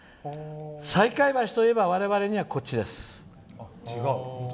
西海橋といえば私にはこっちです。